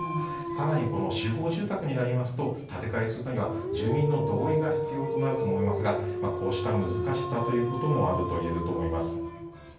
更に、集合住宅になりますと建て替えするには住人の同意が必要になると思いますがこうした難しさもあると言えると思います。